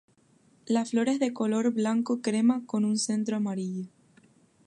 La flor es de color blanco-crema con un centro amarillo.